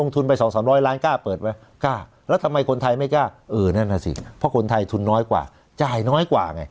ทำไมคนไทยไม่กล้าเออนั่นน่ะสิเพราะคนไทยทุนน้อยกว่าจ่ายน้อยกว่าไง